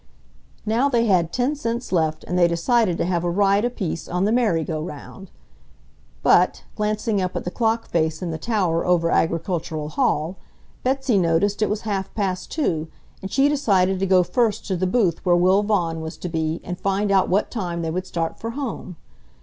Now they had ten cents left and they decided to have a ride apiece on the merry go round. But, glancing up at the clock face in the tower over Agricultural Hall, Betsy noticed it was half past two and she decided to go first to the booth where Will Vaughan was to be and find out what time they would start for home.